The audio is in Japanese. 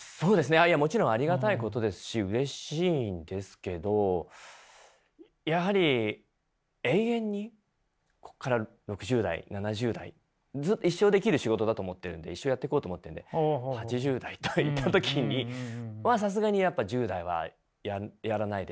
あいやもちろんありがたいことですしうれしいんですけどやはり永遠にこっから６０代７０代一生できる仕事だと思ってるんで一生やっていこうと思ってるんで８０代といった時にまあさすがにやっぱ１０代はやらないでしょうし。